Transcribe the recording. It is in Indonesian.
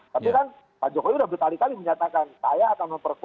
tapi kan pak jokowi udah bertali tali menyatakan saya akan memperkuat kpk